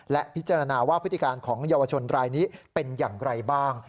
และพิจารณาว่าพฤติการของเยาวชนรายนี้เป็นอย่างไรบ้าง